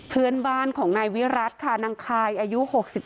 เพื่อนบ้านของนายวิรัติค่ะนางคายอายุ๖๗